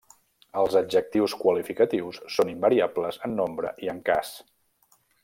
Els adjectius qualificatius són invariables en nombre i en cas.